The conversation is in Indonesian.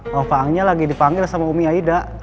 bang faangnya lagi dipanggil sama umi aida